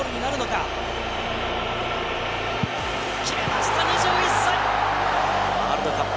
決めました、２１歳！